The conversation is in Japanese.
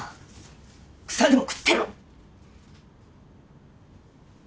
草でも食ってろ！